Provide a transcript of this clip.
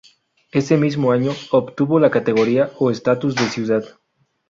Ese mismo año obtuvo la categoría o estatus de ciudad.